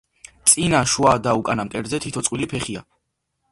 წინა, შუა და უკანა მკერდზე თითო წყვილი ფეხია.